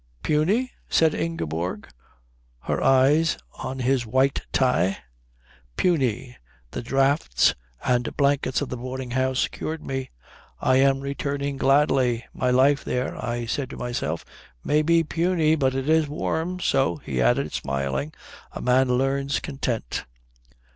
"Puny?" said Ingeborg, her eyes on his white tie. "Puny. The draughts and blankets of the boarding house cured me. I am returning gladly. My life there, I say to myself, may be puny but it is warm. So," he added, smiling, "a man learns content."